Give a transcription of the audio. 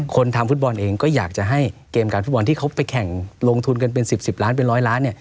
คนทำฟุตบอลเองก็อยากจะให้เกมการฟุตบอลที่เขาไปแข่งลงทุนกันเป็น๑๐ล้านเป็นร้อยล้านเนี่ย